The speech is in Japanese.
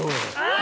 あ！